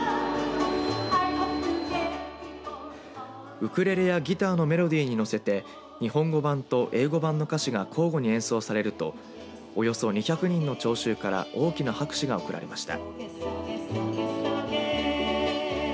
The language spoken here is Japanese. ウクレレやギターのメロディーに乗せて日本語版と英語版の歌詞が交互に演奏されるとおよそ２００人の聴衆から大きな拍手が送られました。